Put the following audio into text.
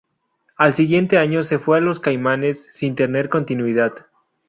Al siguiente año se fue a Los Caimanes, sin tener continuidad.